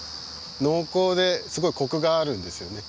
濃厚ですごいコクがあるんですよね。